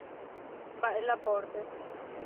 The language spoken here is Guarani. Mba’e la pórte.